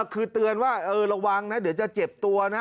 คือเตือนว่าระวังนะเดี๋ยวจะเจ็บตัวนะ